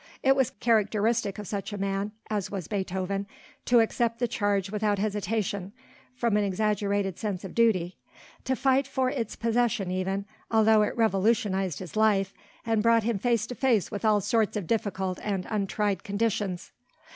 It was characteristic of such a man as was Beethoven, to accept the charge without hesitation, from an exaggerated sense of duty; to fight for its possession even, although it revolutionized his life and brought him face to face with all sorts of difficult and untried conditions.